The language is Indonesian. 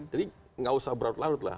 jadi nggak usah berlarut larut lah